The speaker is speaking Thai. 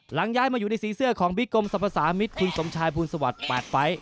หลังย้ายมาอยู่ในสีเสื้อของบิ๊กกรมสรรพสามิตรคุณสมชายภูลสวัสดิ์๘ไฟล์